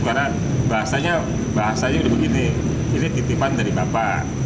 karena bahasanya udah begini ini titipan dari bapak